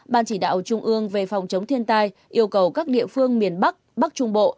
ban chỉ đạo trung ương về phòng chống thiên tai yêu cầu các địa phương miền bắc bắc trung bộ